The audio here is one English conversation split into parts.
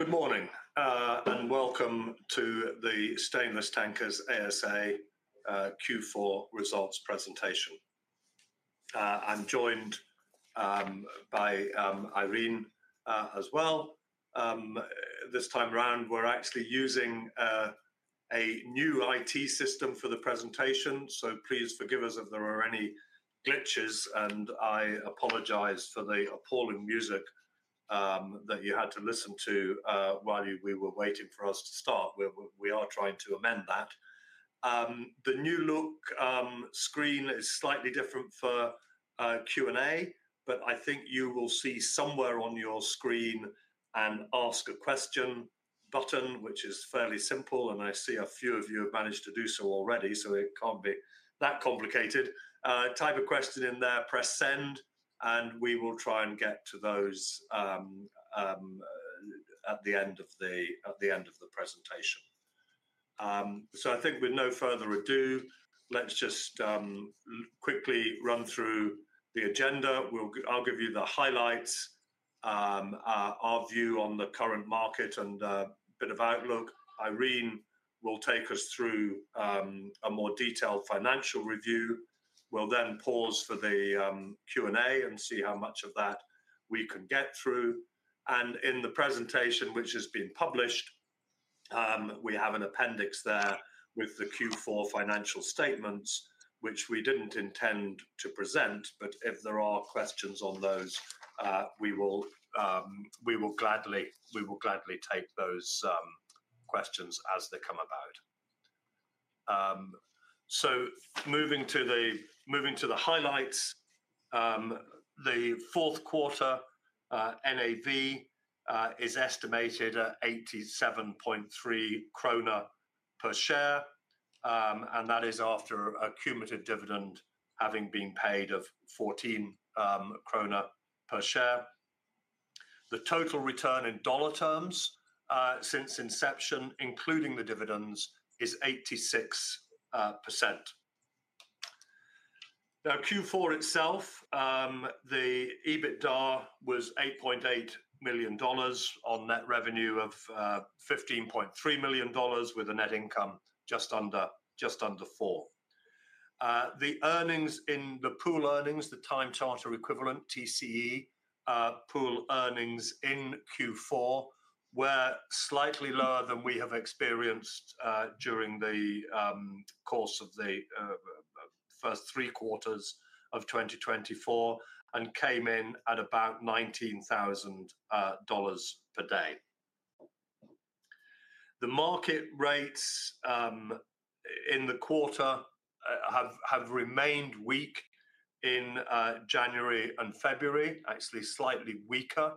Good morning, and welcome to the Stainless Tankers ASA Q4 results presentation. I'm joined by Irene as well. This time around, we're actually using a new IT system for the presentation, so please forgive us if there are any glitches, and I apologize for the appalling music that you had to listen to while you were waiting for us to start. We are trying to amend that. The new look screen is slightly different for Q&A, but I think you will see somewhere on your screen an Ask a Question button, which is fairly simple, and I see a few of you have managed to do so already, so it can't be that complicated. Type a question in there, press Send, and we will try and get to those at the end of the presentation. I think with no further ado, let's just quickly run through the agenda. I'll give you the highlights, our view on the current market and a bit of outlook. Irene will take us through a more detailed financial review. We'll then pause for the Q&A and see how much of that we can get through. In the presentation, which has been published, we have an appendix there with the Q4 financial statements, which we didn't intend to present, but if there are questions on those, we will gladly take those questions as they come about. Moving to the highlights, the fourth quarter NAV is estimated at 87.3 kroner per share, and that is after a cumulative dividend having been paid of 14 kroner per share. The total return in dollar terms, since inception, including the dividends, is 86%. Now, Q4 itself, the EBITDA was $8.8 million on net revenue of $15.3 million, with a net income just under four. The earnings in the pool earnings, the time charter equivalent, TCE, pool earnings in Q4 were slightly lower than we have experienced during the course of the first three quarters of 2024, and came in at about $19,000 per day. The market rates in the quarter have remained weak in January and February, actually slightly weaker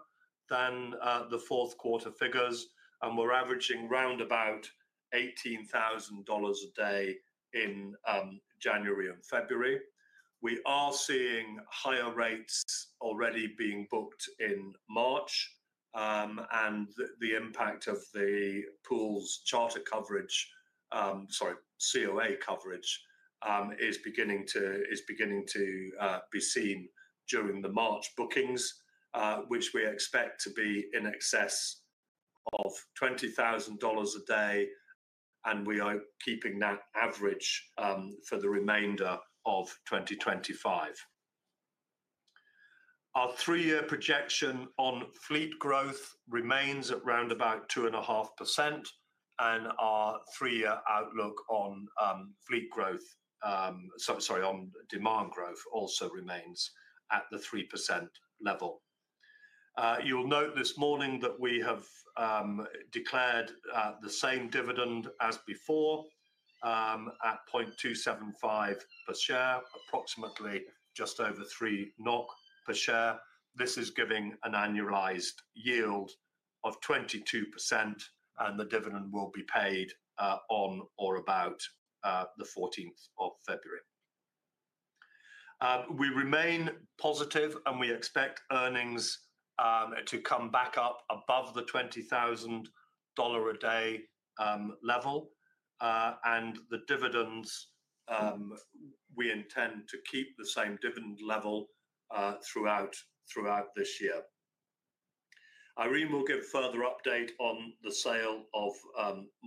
than the fourth quarter figures, and we're averaging round about $18,000 a day in January and February. We are seeing higher rates already being booked in March, and the impact of the pool's charter coverage, sorry, COA coverage, is beginning to be seen during the March bookings, which we expect to be in excess of $20,000 a day, and we are keeping that average for the remainder of 2025. Our three-year projection on fleet growth remains at round about 2.5%, and our three-year outlook on demand growth also remains at the 3% level. You'll note this morning that we have declared the same dividend as before, at $0.275 per share, approximately just over 3 NOK per share. This is giving an annualized yield of 22%, and the dividend will be paid on or about the 14th of February. We remain positive, and we expect earnings to come back up above the $20,000 a day level, and the dividends, we intend to keep the same dividend level throughout this year. Irene will give further update on the sale of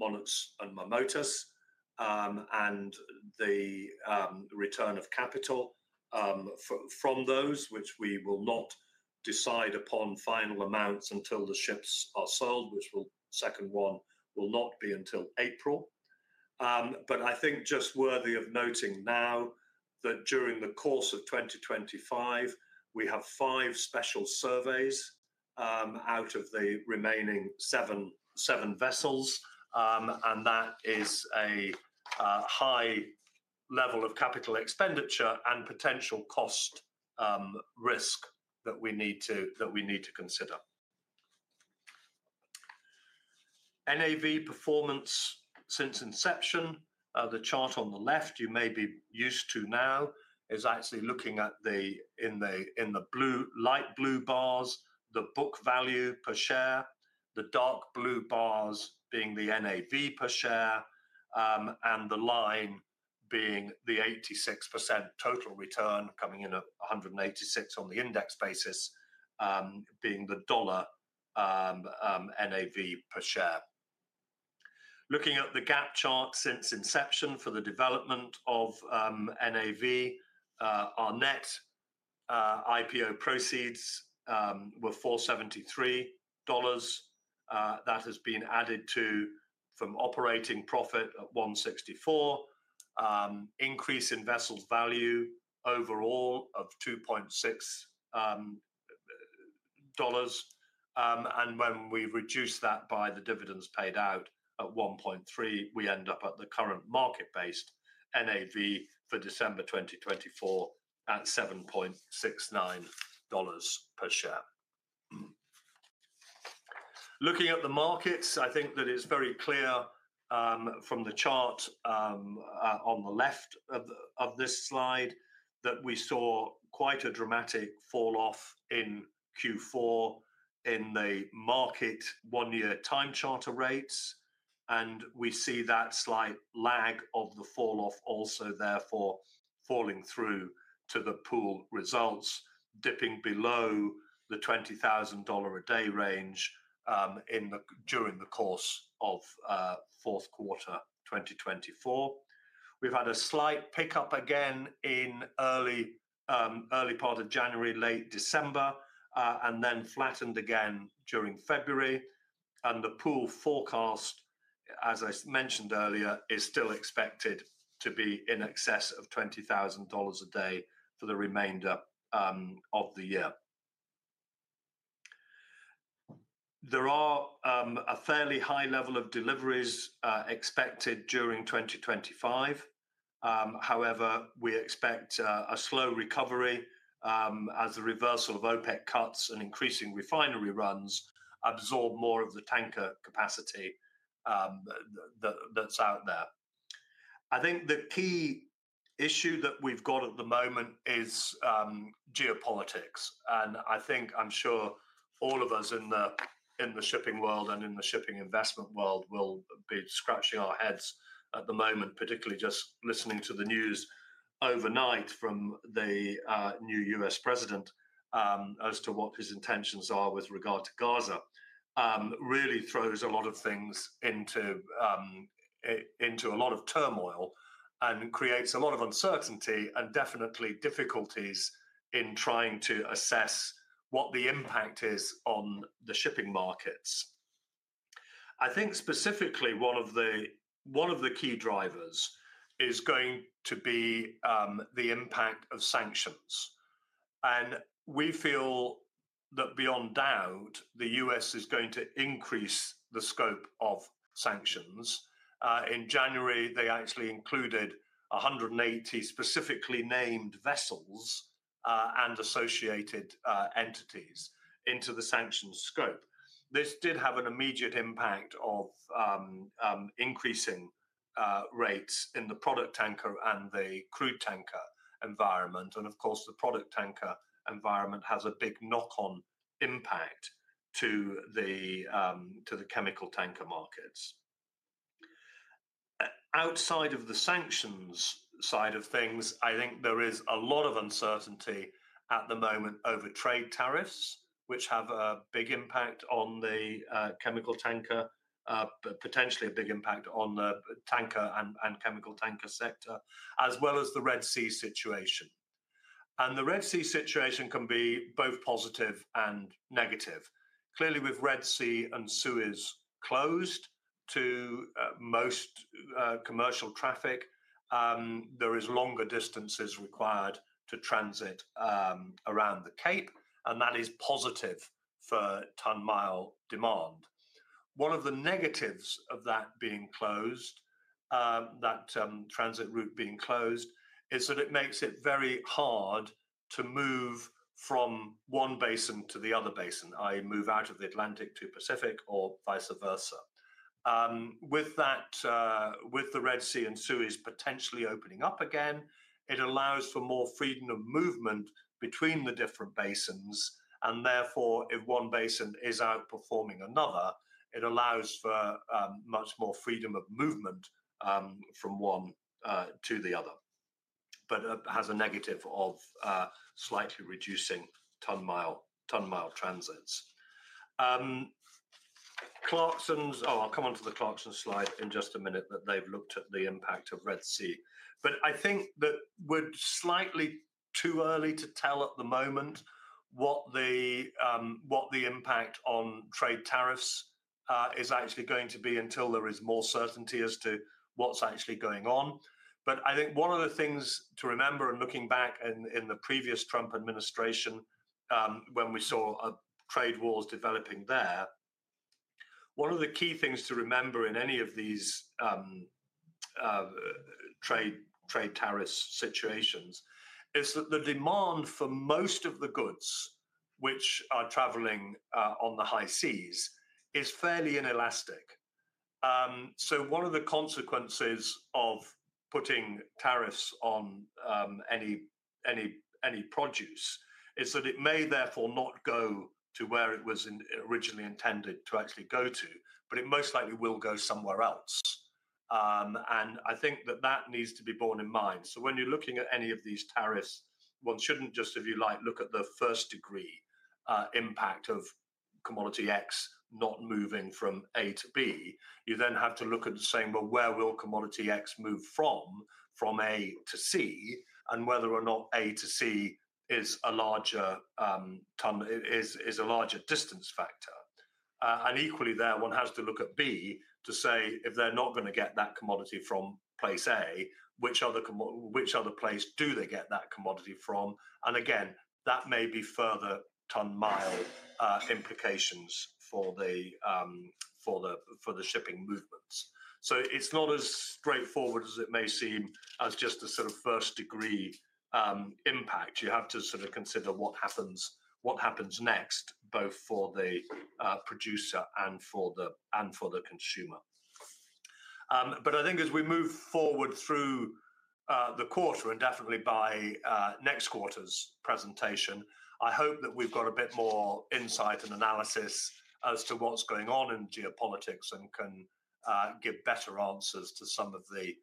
Monax and Marmotas, and the return of capital from those, which we will not decide upon final amounts until the ships are sold, which the second one will not be until April. I think just worthy of noting now that during the course of 2025, we have five special surveys out of the remaining seven vessels, and that is a high level of capital expenditure and potential cost risk that we need to consider. NAV performance since inception, the chart on the left you may be used to now is actually looking at the, in the light blue bars, the book value per share, the dark blue bars being the NAV per share, and the line being the 86% total return coming in at 186 on the index basis, being the dollar, NAV per share. Looking at the gap chart since inception for the development of NAV, our net IPO proceeds were $473. That has been added to from operating profit at $164, increase in vessels value overall of $2.6, dollars, and when we reduce that by the dividends paid out at $1.3, we end up at the current market-based NAV for December 2024 at $7.69 per share. Looking at the markets, I think that it's very clear, from the chart on the left of this slide, that we saw quite a dramatic fall off in Q4 in the market one-year time charter rates, and we see that slight lag of the fall off also therefore falling through to the pool results, dipping below the $20,000 a day range during the course of fourth quarter 2024. We've had a slight pickup again in early January, late December, and then flattened again during February, and the pool forecast, as I mentioned earlier, is still expected to be in excess of $20,000 a day for the remainder of the year. There are a fairly high level of deliveries expected during 2025. However, we expect a slow recovery, as the reversal of OPEC cuts and increasing refinery runs absorb more of the tanker capacity that is out there. I think the key issue that we have at the moment is geopolitics, and I think I am sure all of us in the shipping world and in the shipping investment world will be scratching our heads at the moment, particularly just listening to the news overnight from the new U.S. president, as to what his intentions are with regard to Gaza, really throws a lot of things into a lot of turmoil and creates a lot of uncertainty and definitely difficulties in trying to assess what the impact is on the shipping markets. I think specifically one of the key drivers is going to be the impact of sanctions, and we feel that beyond doubt the U.S. is going to increase the scope of sanctions. In January, they actually included 180 specifically named vessels and associated entities into the sanctions scope. This did have an immediate impact of increasing rates in the product tanker and the crude tanker environment, and of course the product tanker environment has a big knock-on impact to the chemical tanker markets. Outside of the sanctions side of things, I think there is a lot of uncertainty at the moment over trade tariffs, which have a big impact on the chemical tanker, potentially a big impact on the tanker and chemical tanker sector, as well as the Red Sea situation. The Red Sea situation can be both positive and negative. Clearly, with the Red Sea and Suez closed to most commercial traffic, there is longer distances required to transit around the cape, and that is positive for ton-mile demand. One of the negatives of that being closed, that transit route being closed, is that it makes it very hard to move from one basin to the other basin, i.e., move out of the Atlantic to Pacific or vice versa. With that, with the Red Sea and Suez potentially opening up again, it allows for more freedom of movement between the different basins, and therefore if one basin is outperforming another, it allows for much more freedom of movement from one to the other, but has a negative of slightly reducing ton-mile ton-mile transits. Clarksons, oh, I'll come on to the Clarksons slide in just a minute. They have looked at the impact of the Red Sea, but I think that we're slightly too early to tell at the moment what the impact on trade tariffs is actually going to be until there is more certainty as to what's actually going on. I think one of the things to remember, and looking back in the previous Trump administration, when we saw trade wars developing there, one of the key things to remember in any of these trade tariffs situations is that the demand for most of the goods which are traveling on the high seas is fairly inelastic. One of the consequences of putting tariffs on any produce is that it may therefore not go to where it was originally intended to actually go to, but it most likely will go somewhere else. I think that that needs to be borne in mind. When you're looking at any of these tariffs, one shouldn't just, if you like, look at the first degree impact of commodity X not moving from A to B. You then have to look at saying, well, where will commodity X move from, from A to C, and whether or not A to C is a larger distance factor. Equally there, one has to look at B to say if they're not going to get that commodity from place A, which other place do they get that commodity from? That may be further ton-mile implications for the shipping movements. It is not as straightforward as it may seem as just a sort of first-degree impact. You have to consider what happens next, both for the producer and for the consumer. I think as we move forward through the quarter and definitely by next quarter's presentation, I hope that we have a bit more insight and analysis as to what is going on in geopolitics and can give better answers to some of the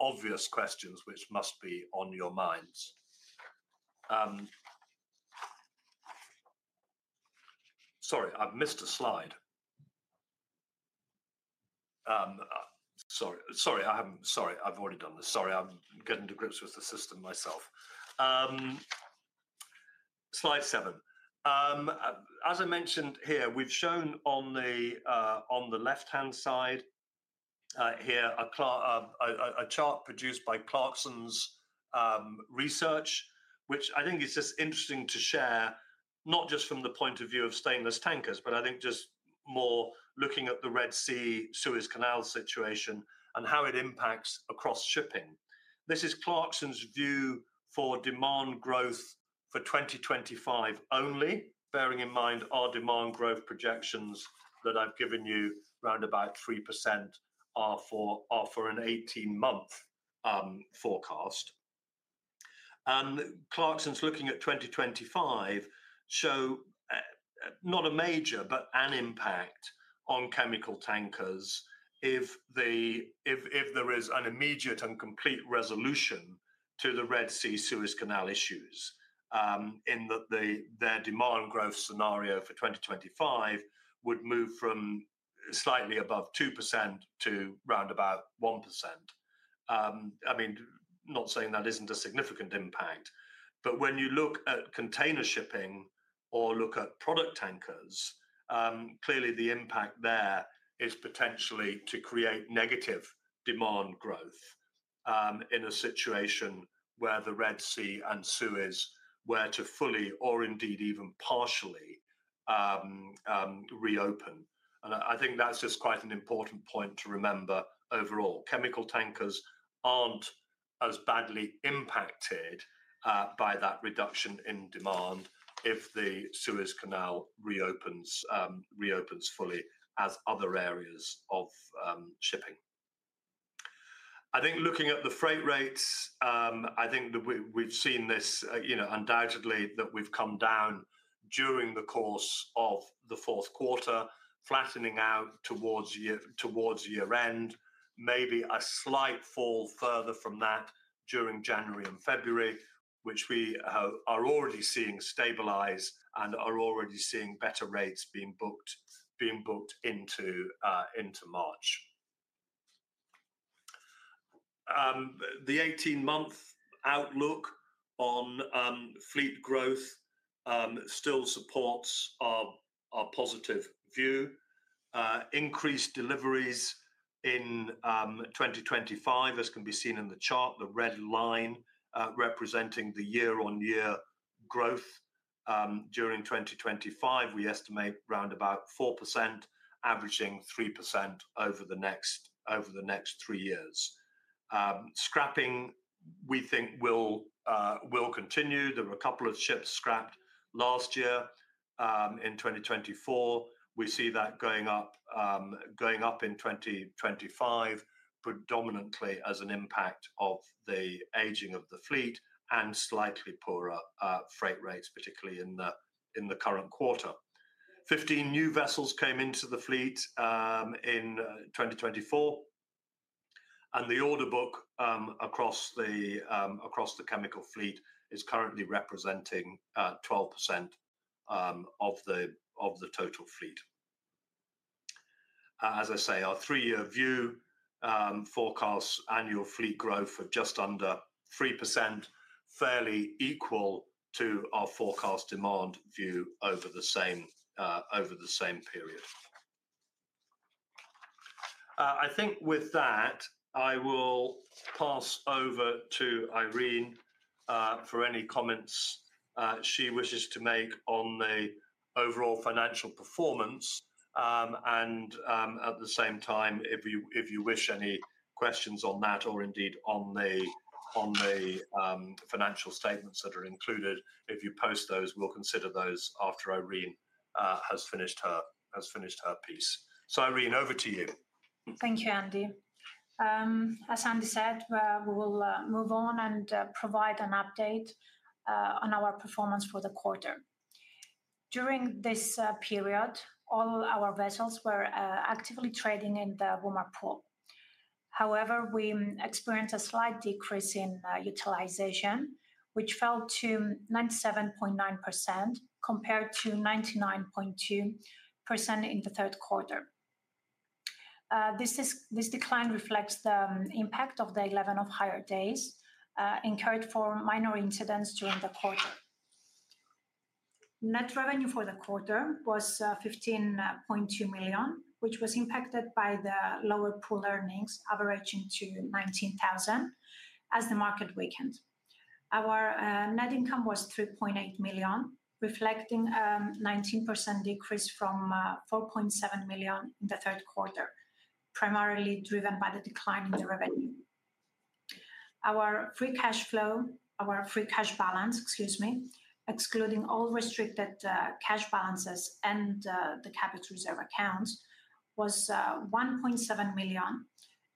obvious questions which must be on your minds. Sorry, I have missed a slide. Sorry, I have already done this. Sorry, I am getting to grips with the system myself. Slide seven. As I mentioned here, we've shown on the left-hand side here a chart produced by Clarksons Research, which I think is just interesting to share, not just from the point of view of Stainless Tankers, but I think just more looking at the Red Sea, Suez Canal situation and how it impacts across shipping. This is Clarksons' view for demand growth for 2025 only, bearing in mind our demand growth projections that I've given you, round about 3%, are for an 18-month forecast. Clarksons is looking at 2025, not a major, but an impact on chemical tankers if there is an immediate and complete resolution to the Red Sea, Suez Canal issues, in that their demand growth scenario for 2025 would move from slightly above 2% to round about 1%. I mean, not saying that isn't a significant impact, but when you look at container shipping or look at product tankers, clearly the impact there is potentially to create negative demand growth, in a situation where the Red Sea and Suez were to fully or indeed even partially reopen. I think that's just quite an important point to remember overall. Chemical tankers aren't as badly impacted by that reduction in demand if the Suez Canal reopens, reopens fully as other areas of shipping. I think looking at the freight rates, I think that we've seen this, you know, undoubtedly that we've come down during the course of the fourth quarter, flattening out towards year-end, maybe a slight fall further from that during January and February, which we are already seeing stabilize and are already seeing better rates being booked into March. The 18-month outlook on fleet growth still supports our positive view. Increased deliveries in 2025, as can be seen in the chart, the red line representing the year-on-year growth, during 2025, we estimate round about 4%, averaging 3% over the next three years. Scrapping, we think, will continue. There were a couple of ships scrapped last year, in 2024. We see that going up in 2025, predominantly as an impact of the aging of the fleet and slightly poorer freight rates, particularly in the current quarter. 15 new vessels came into the fleet in 2024, and the order book across the chemical fleet is currently representing 12% of the total fleet. As I say, our three-year view forecasts annual fleet growth of just under 3%, fairly equal to our forecast demand view over the same period. I think with that, I will pass over to Irene for any comments she wishes to make on the overall financial performance, and at the same time, if you wish any questions on that or indeed on the financial statements that are included, if you post those, we'll consider those after Irene has finished her piece. Irene, over to you. Thank you, Andy. As Andy said, we will move on and provide an update on our performance for the quarter. During this period, all our vessels were actively trading in the Womar pool. However, we experienced a slight decrease in utilization, which fell to 97.9% compared to 99.2% in the third quarter. This decline reflects the impact of the 11 off-hire days incurred for minor incidents during the quarter. Net revenue for the quarter was $15.2 million, which was impacted by the lower pool earnings averaging $19,000 as the market weakened. Our net income was $3.8 million, reflecting a 19% decrease from $4.7 million in the third quarter, primarily driven by the decline in the revenue. Our free cash flow, our free cash balance, excuse me, excluding all restricted cash balances and the capital reserve accounts, was $1.7 million,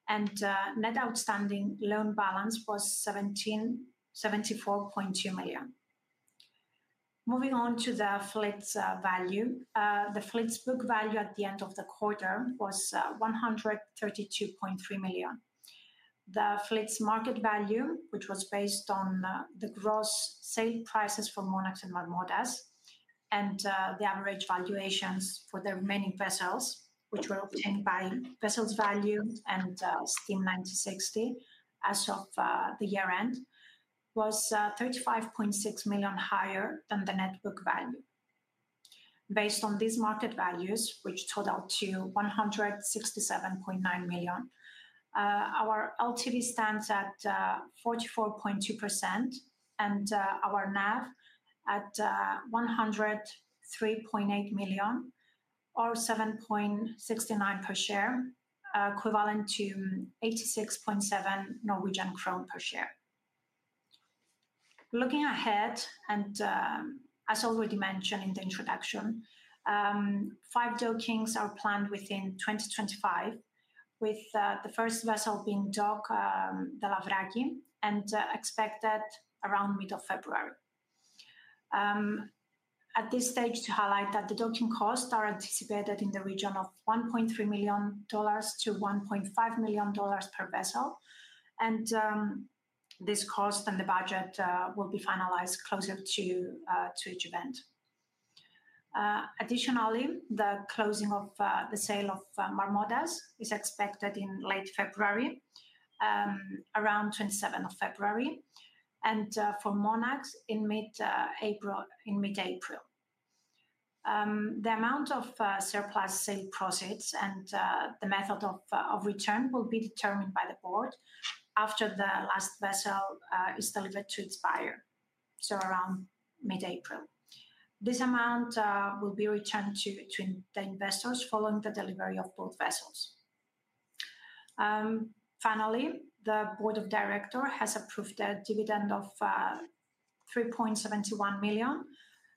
and net outstanding loan balance was $74.2 million. Moving on to the fleet's value, the fleet's book value at the end of the quarter was $132.3 million. The fleet's market value, which was based on the gross sale prices for Monax to Marmotas, and the average valuations for the remaining vessels, which were obtained by VesselsValue and Steem1960 as of the year-end, was $35.6 million higher than the net book value. Based on these market values, which total to $167.9 million, our LTV stands at 44.2%, and our NAV at $103.8 million or $7.69 per share, equivalent to 86.7 Norwegian krone per share. Looking ahead and, as already mentioned in the introduction, five dockings are planned within 2025, with the first vessel being docked, the Lavraki, and expected around mid-February. At this stage, to highlight that the docking costs are anticipated in the region of $1.3 million-$1.5 million per vessel, and this cost and the budget will be finalized closer to each event. Additionally, the closing of the sale of Marmotas is expected in late February, around 27th of February, and for Monax in mid-April. The amount of surplus sale proceeds and the method of return will be determined by the board after the last vessel is delivered to its buyer, so around mid-April. This amount will be returned to the investors following the delivery of both vessels. Finally, the board of directors has approved a dividend of $3.71 million,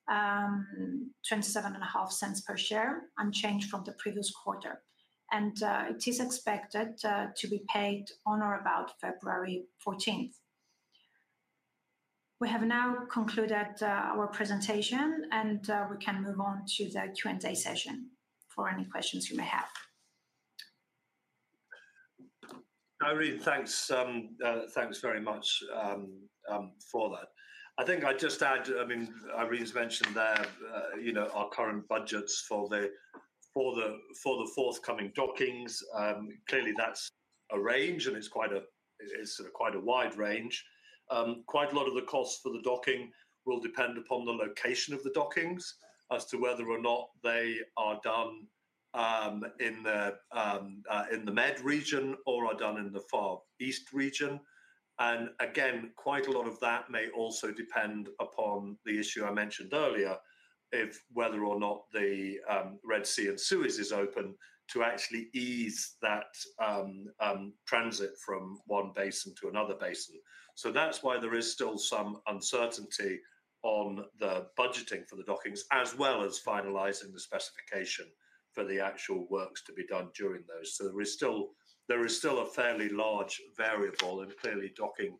$0.275 per share, unchanged from the previous quarter, and it is expected to be paid on or about February 14th. We have now concluded our presentation, and we can move on to the Q&A session for any questions you may have. Irene, thanks, thanks very much for that. I think I just add, I mean, Irene's mentioned there, you know, our current budgets for the for the for the forthcoming dockings, clearly that's a range and it's quite a it's sort of quite a wide range. Quite a lot of the costs for the docking will depend upon the location of the dockings as to whether or not they are done, in the, in the Mediterranean region or are done in the Far East region. Quite a lot of that may also depend upon the issue I mentioned earlier, if whether or not the Red Sea and Suez is open to actually ease that transit from one basin to another basin. That's why there is still some uncertainty on the budgeting for the dockings, as well as finalizing the specification for the actual works to be done during those. There is still a fairly large variable, and clearly docking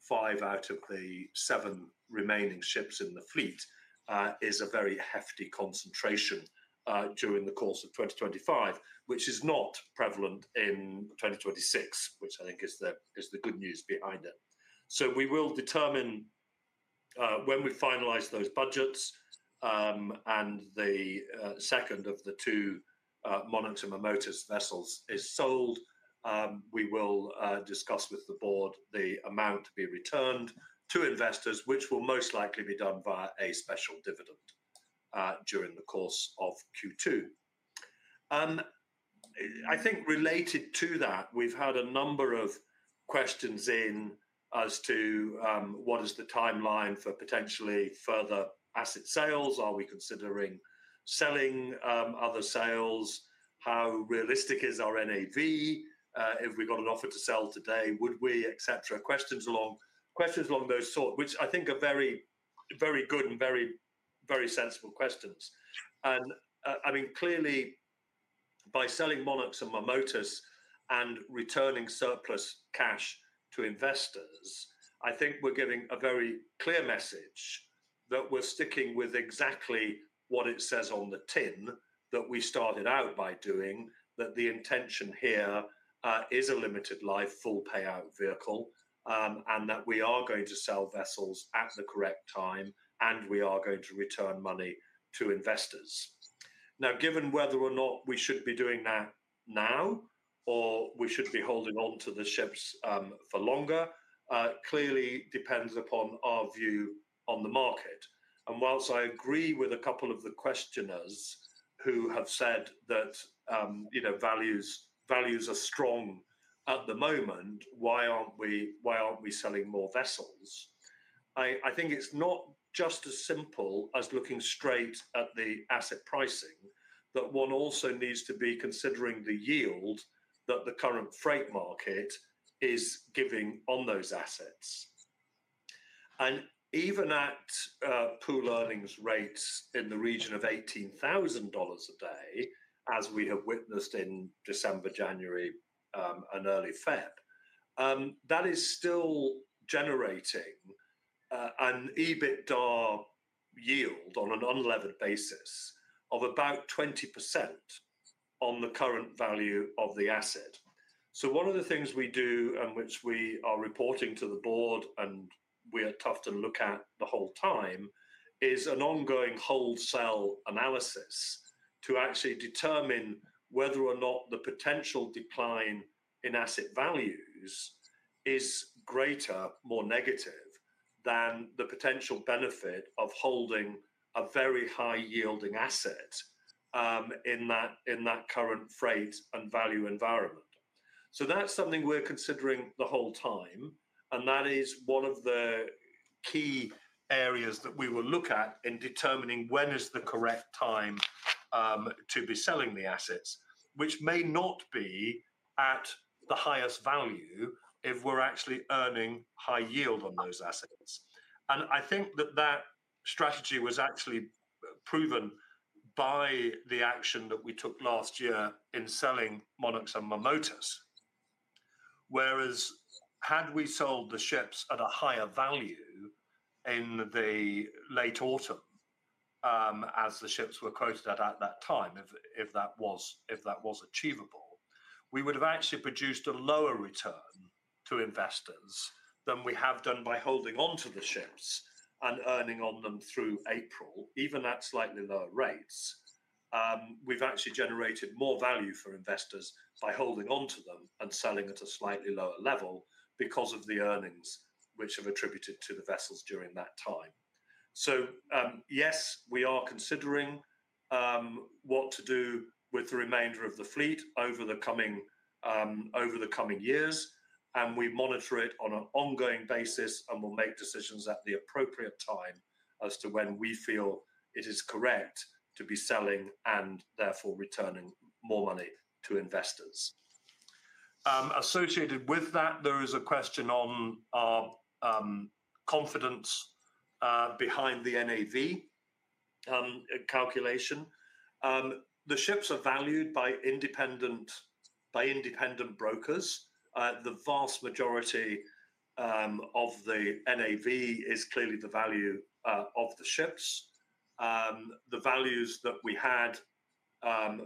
five out of the seven remaining ships in the fleet is a very hefty concentration during the course of 2025, which is not prevalent in 2026, which I think is the good news behind it. We will determine, when we finalize those budgets, and the second of the two Monax and Marmotas vessels is sold, we will discuss with the board the amount to be returned to investors, which will most likely be done via a special dividend during the course of Q2. I think related to that, we've had a number of questions in as to what is the timeline for potentially further asset sales? Are we considering selling other sales? How realistic is our NAV? If we got an offer to sell today, would we, et cetera, questions along those sorts, which I think are very, very good and very, very sensible questions. I mean, clearly, by selling Monax and Marmotas and returning surplus cash to investors, I think we're giving a very clear message that we're sticking with exactly what it says on the tin that we started out by doing, that the intention here is a limited life full payout vehicle, and that we are going to sell vessels at the correct time, and we are going to return money to investors. Now, given whether or not we should be doing that now or we should be holding on to the ships for longer, clearly depends upon our view on the market. Whilst I agree with a couple of the questioners who have said that, you know, values are strong at the moment, why aren't we selling more vessels? I think it's not just as simple as looking straight at the asset pricing, that one also needs to be considering the yield that the current freight market is giving on those assets. Even at pool earnings rates in the region of $18,000 a day, as we have witnessed in December, January, and early February, that is still generating an EBITDA yield on an unlevered basis of about 20% on the current value of the asset. One of the things we do and which we are reporting to the board and we have to look at the whole time is an ongoing hold-sell analysis to actually determine whether or not the potential decline in asset values is greater, more negative than the potential benefit of holding a very high-yielding asset, in that current freight and value environment. That is something we're considering the whole time, and that is one of the key areas that we will look at in determining when is the correct time to be selling the assets, which may not be at the highest value if we're actually earning high yield on those assets. I think that that strategy was actually proven by the action that we took last year in selling Monax and Marmotas, whereas had we sold the ships at a higher value in the late autumn, as the ships were quoted at at that time, if that was achievable, we would have actually produced a lower return to investors than we have done by holding on to the ships and earning on them through April, even at slightly lower rates. We've actually generated more value for investors by holding on to them and selling at a slightly lower level because of the earnings which have attributed to the vessels during that time. Yes, we are considering what to do with the remainder of the fleet over the coming years, and we monitor it on an ongoing basis and will make decisions at the appropriate time as to when we feel it is correct to be selling and therefore returning more money to investors. Associated with that, there is a question on our confidence behind the NAV calculation. The ships are valued by independent brokers. The vast majority of the NAV is clearly the value of the ships. The values that we had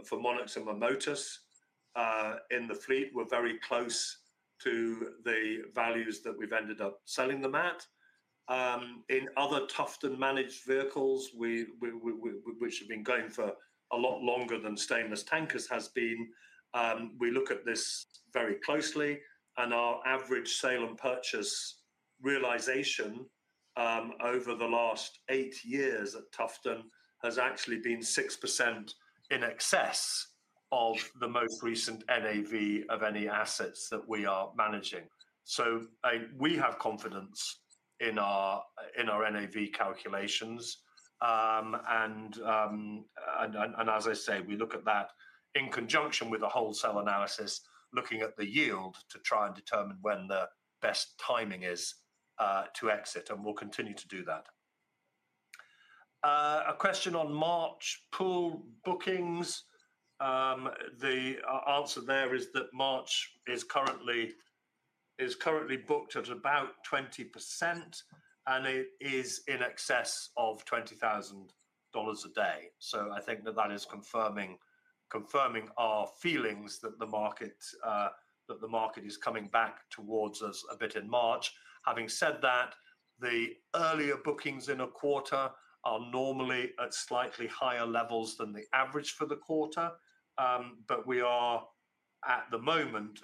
for Monax and Marmotas in the fleet were very close to the values that we've ended up selling them at. In other Tufton managed vehicles, which have been going for a lot longer than Stainless Tankers has been, we look at this very closely, and our average sale and purchase realization over the last eight years at Tufton has actually been 6% in excess of the most recent NAV of any assets that we are managing. We have confidence in our NAV calculations, and as I say, we look at that in conjunction with a wholesale analysis, looking at the yield to try and determine when the best timing is to exit, and we will continue to do that. A question on March pool bookings, the answer there is that March is currently booked at about 20%, and it is in excess of $20,000 a day. I think that is confirming our feelings that the market is coming back towards us a bit in March. Having said that, the earlier bookings in a quarter are normally at slightly higher levels than the average for the quarter, but we are at the moment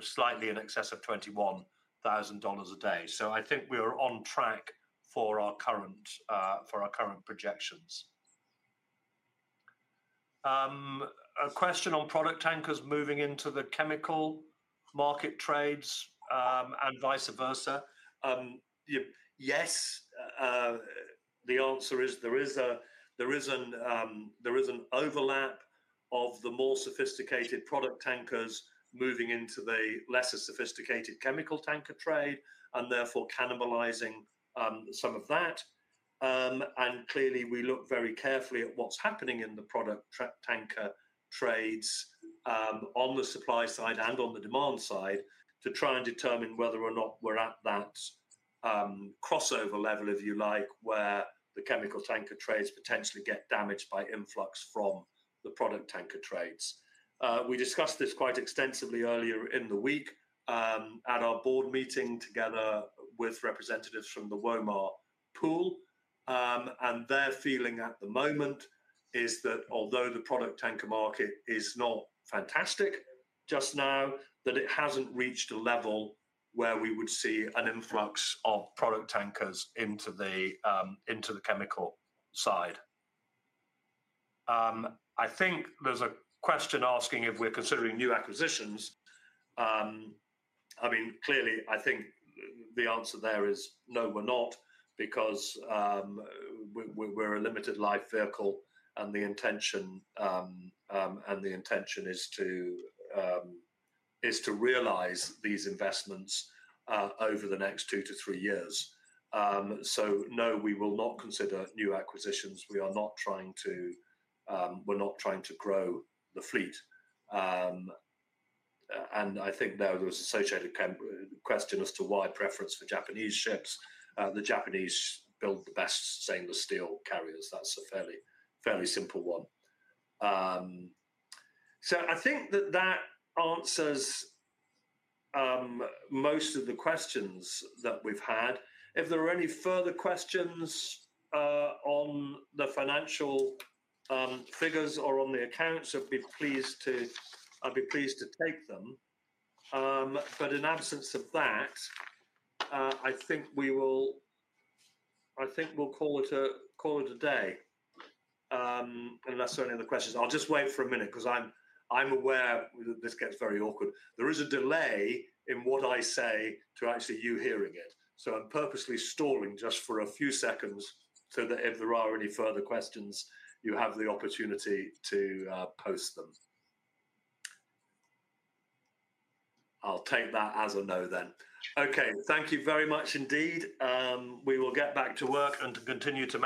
slightly in excess of $21,000 a day. I think we are on track for our current projections. A question on product tankers moving into the chemical market trades, and vice versa. Yes, the answer is there is an overlap of the more sophisticated product tankers moving into the lesser sophisticated chemical tanker trade and therefore cannibalizing some of that. Clearly we look very carefully at what's happening in the product tanker trades, on the supply side and on the demand side to try and determine whether or not we're at that crossover level, if you like, where the chemical tanker trades potentially get damaged by influx from the product tanker trades. We discussed this quite extensively earlier in the week, at our board meeting together with representatives from the Womar pool. Their feeling at the moment is that although the product tanker market is not fantastic just now, it hasn't reached a level where we would see an influx of product tankers into the chemical side. I think there's a question asking if we're considering new acquisitions. I mean, clearly, I think the answer there is no, we're not, because we're a limited life vehicle, and the intention is to realize these investments over the next two to three years. No, we will not consider new acquisitions. We are not trying to grow the fleet. I think there was an associated question as to why preference for Japanese ships. The Japanese build the best stainless steel carriers. That's a fairly simple one. I think that answers most of the questions that we've had. If there are any further questions on the financial figures or on the accounts, I'd be pleased to take them. In absence of that, I think we will call it a day, unless there are any other questions. I'll just wait for a minute because I'm aware that this gets very awkward. There is a delay in what I say to actually you hearing it. So I'm purposely stalling just for a few seconds so that if there are any further questions, you have the opportunity to post them. I'll take that as a no then. Okay, thank you very much indeed. We will get back to work and continue to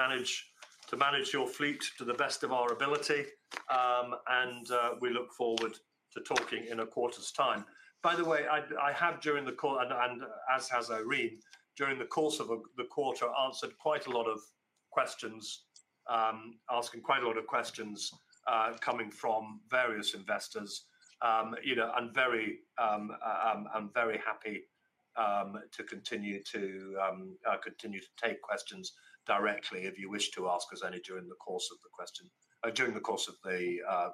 manage your fleet to the best of our ability. We look forward to talking in a quarter's time. By the way, I have during the course, and as has Irene during the course of the quarter, answered quite a lot of questions, asking quite a lot of questions, coming from various investors, you know, and very happy to continue to take questions directly if you wish to ask us any during the course of the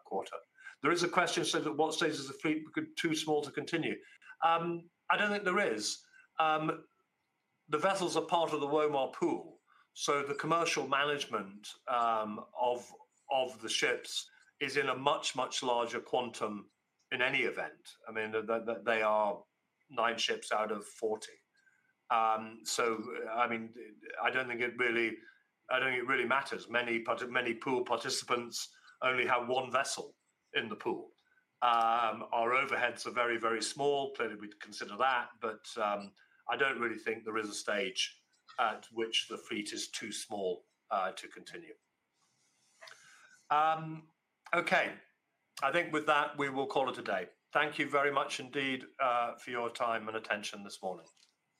quarter. There is a question said that what stages of fleet could be too small to continue. I don't think there is. The vessels are part of the Womar pool, so the commercial management of the ships is in a much, much larger quantum in any event. I mean, they are nine ships out of 40. I mean, I don't think it really matters. Many, many pool participants only have one vessel in the pool. Our overheads are very, very small. Clearly, we'd consider that, but I don't really think there is a stage at which the fleet is too small to continue. Okay, I think with that, we will call it a day. Thank you very much indeed for your time and attention this morning.